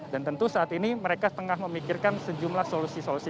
dan tentu saat ini mereka tengah memikirkan sejumlah solusi solusi